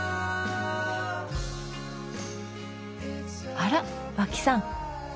あら和氣さん